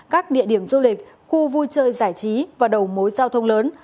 các địa điểm du lịch khu vui chơi giải trí và đầu mối giao thông lớn